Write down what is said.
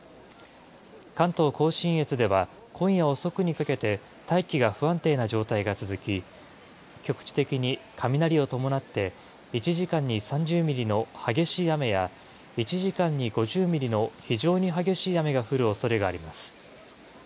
関東甲信越では、今夜遅くにかけて、大気が不安定な状態が続き、局地的に雷を伴って、１時間に３０ミリの激しい雨や、１時間に５０ミリの非常に激しい雨が降るおそれがあります。